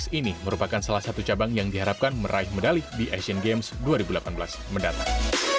ini merupakan salah satu cabang yang diharapkan meraih medali di asian games dua ribu delapan belas mendatang